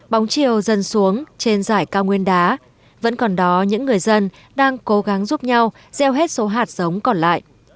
bóng chiều dần xuống trên giải cao nguyên đá vẫn còn đó những người dân đang cố gắng giúp nhau gieo hết số hạt sống còn lại